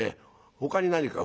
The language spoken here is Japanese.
ほかに何か？」。